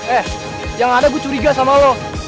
eh jangan ada gue curiga sama lo